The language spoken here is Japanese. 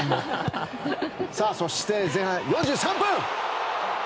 そして前半４３分。